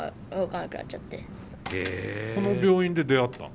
この病院で出会ったの？